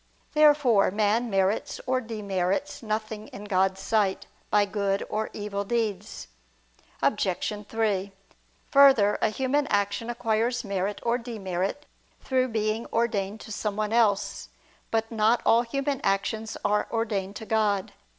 Therefore man merits or demerits nothing in God's sight, by good or evil deeds. Obj. 3: Further, a human action acquires merit or demerit through being ordained to someone else. But not all human actions are ordained to God.